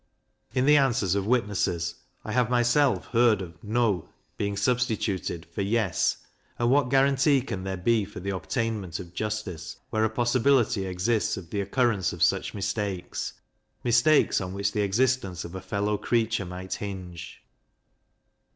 In the answers of witnesses, I have myself heard of "No" being substituted for "Yes;" and what guarantee can there be for the obtainment of justice, where a possibility exists of the occurrence of such mistakes mistakes on which the existence of a fellow creature might hinge!